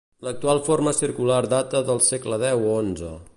L'actual forma circular data del segle deu o onze.